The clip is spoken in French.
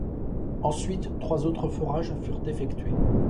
Ensuite trois autres forages furent effectués.